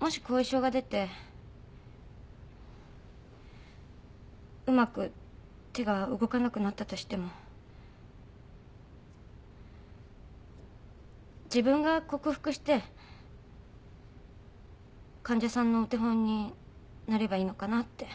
もし後遺症が出てうまく手が動かなくなったとしても自分が克服して患者さんのお手本になればいいのかなって。